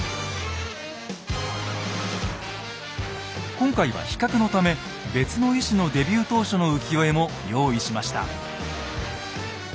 今回は比較のため別の絵師のデビュー当初の浮世絵も用意しました。